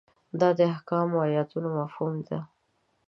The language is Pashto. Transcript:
دا د احکامو ایتونو مفهوم ده.